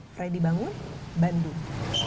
freddy bangun bandung